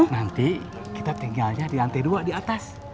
nanti kita tinggalnya di lantai dua di atas